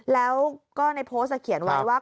แล้วก็ในโพสต์เขียนไว้ว่า